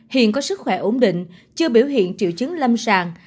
hiện có sức khỏe ổn định chưa biểu hiện triệu chứng lâm sàng